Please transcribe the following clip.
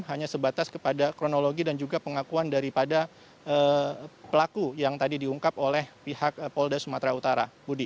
hanya sebatas kepada kronologi dan juga pengakuan daripada pelaku yang tadi diungkap oleh pihak polda sumatera utara